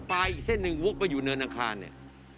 อีกเส้นหนึ่งวกไปอยู่เนินอังคารเนี่ย